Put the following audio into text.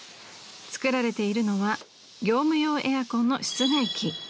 作られているのは業務用エアコンの室外機。